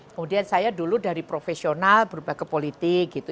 kemudian saya dulu dari profesional berbagai politik gitu